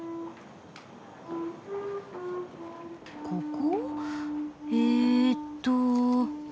・・ここ？えっと。